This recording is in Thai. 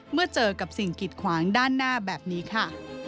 เมื่อเจอกับสิ่งกิดขวางด้านหน้าแบบนี้ค่ะ